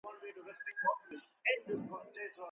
زړورتیا په زده کړه کي نوي لاري پرانیزي.